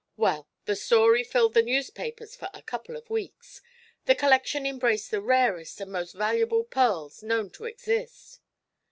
"Well, the story filled the newspapers for a couple of weeks. The collection embraced the rarest and most valuable pearls known to exist."